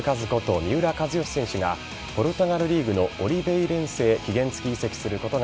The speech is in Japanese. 三浦知良選手がポルトガルリーグのオリベイレンセへ期限付き移籍することが